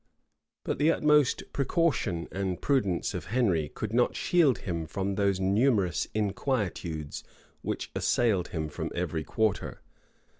But the utmost precaution and prudence of Henry could not shield him from those numerous inquietudes which assailed him from every quarter.